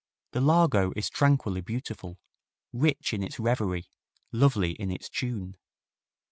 The largo is tranquilly beautiful, rich in its reverie, lovely in its tune.